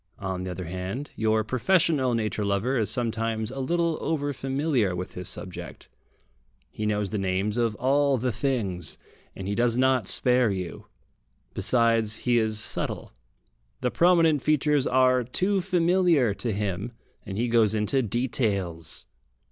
On the other hand, your professional nature lover is sometimes a little over familiar with his subject. He knows the names of all the things, and he does not spare you. Besides, he is subtle. The prominent features are too familiar to him, and he goes into details.